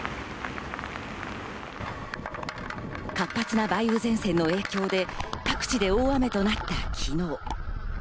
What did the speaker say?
活発な梅雨前線の影響で各地で大雨となった昨日。